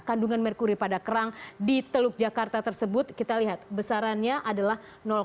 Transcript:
kandungan merkuri pada kerang di teluk jakarta tersebut kita lihat besarannya adalah